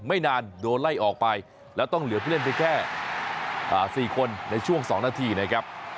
ไม่นานโดนไล่ออกไปแล้วต้องเหลือผู้เล่นไปแค่๔คนในช่วง๒นาทีนะครับ